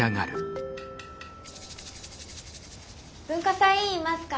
文化祭委員いますか？